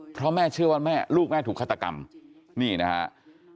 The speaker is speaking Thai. เพราะแม่เชื่อว่าแม่ลูกแม่ถูกฆาตกรรมนี่นะครับ